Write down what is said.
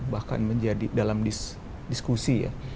bahkan menjadi dalam diskusi ya